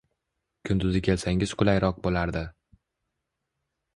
Kunduzi kelsangiz qulayroq bo'lardi.